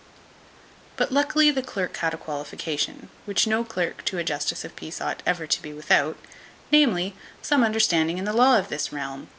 But luckily the clerk had a qualification, which no clerk to a justice of peace ought ever to be without, namely, some understanding in the law of this realm.